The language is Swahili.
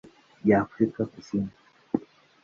ya Afrika Kusini.